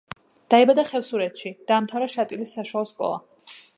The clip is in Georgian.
დაიბადა ხევსურეთში, დაამთავრა შატილის საშუალო სკოლა.